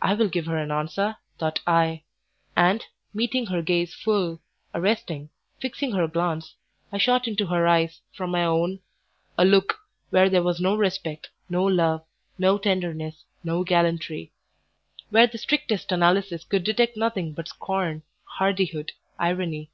"I will give her an answer," thought I; and, meeting her gaze full, arresting, fixing her glance, I shot into her eyes, from my own, a look, where there was no respect, no love, no tenderness, no gallantry; where the strictest analysis could detect nothing but scorn, hardihood, irony.